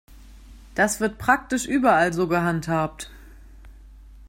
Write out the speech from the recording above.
Das wird praktisch überall so gehandhabt.